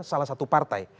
salah satu partai